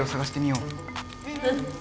うん。